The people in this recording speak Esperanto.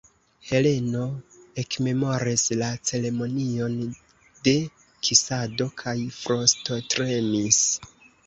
Heleno ekmemoris la ceremonion de kisado kaj frostotremis.